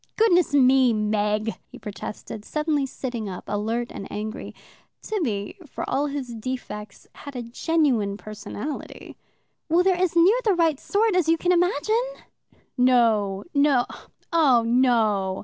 "Oh, goodness me, Meg!" he protested, suddenly sitting up, alert and angry. Tibby, for all his defects, had a genuine personality. "Well, they're as near the right sort as you can imagine." "No, no oh, no!"